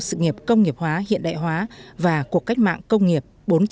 sự nghiệp công nghiệp hóa hiện đại hóa và cuộc cách mạng công nghiệp bốn